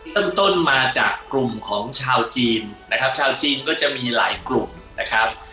ต้นมาจากกลุ่มของชาวจีนนะครับชาวจีนก็จะมีหลายกลุ่มนะครับ